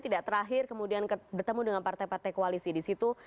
tidak terakhir kemudian bertemu dengan partai partai koalisi di situ